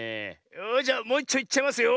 よしじゃもういっちょいっちゃいますよ！